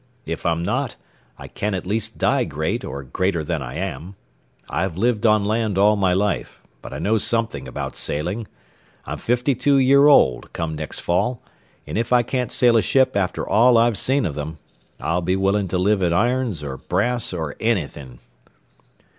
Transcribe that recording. If I'm not, I can at least die great, or greater than I am. I've lived on land all my life, but I know something about sailing. I'm fifty two year old come next fall, an' if I can't sail a ship after all I've seen o' them, I'll be willing to live in irons or brass, or enny thing."